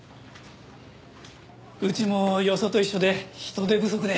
うちもよそと一緒で人手不足で。